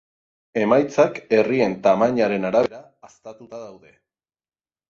Emaitzak herrien tamainaren arabera haztatuta daude.